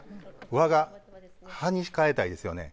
「わ」を「は」に変えたいですよね。